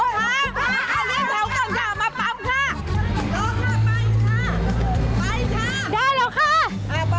มาได้ค่ะเราออกมาพังค่ะ